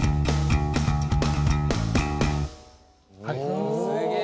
はい。